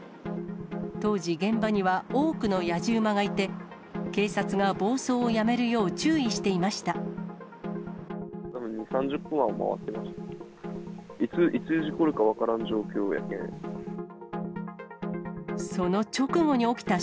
当時、現場には多くのやじ馬がいて、警察が暴走をやめるよう注意していました。